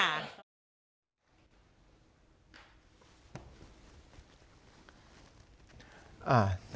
ค่ะรูปรวมไว้ให้เขาเลยค่ะ